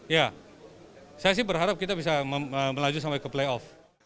ya saya sih berharap kita bisa melaju sampai ke playoff